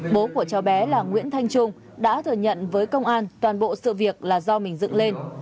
bố của cháu bé là nguyễn thanh trung đã thừa nhận với công an toàn bộ sự việc là do mình dựng lên